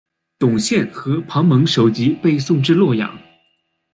董宪和庞萌首级被送至洛阳。